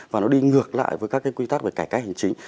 và nó đi ngược lại với các quy tắc về cải cách hình chính